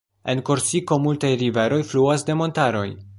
En Korsiko multaj riveroj fluas de montaroj.